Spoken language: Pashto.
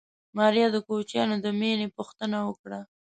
ماريا د کوچيانو د مېنې پوښتنه وکړه.